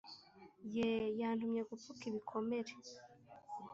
Ye Yantumye gupfuka ibikomere